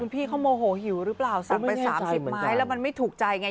พี่เขาโมโหหิวหรือเปล่าสั่งไป๓๐ไม้แล้วมันไม่ถูกใจไง